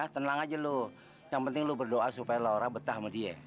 tenang aja lo yang penting lu berdoa supaya lora betah sama dia